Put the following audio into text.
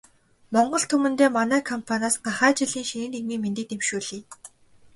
Монгол түмэндээ манай компаниас гахай жилийн шинийн нэгний мэндийг дэвшүүлье.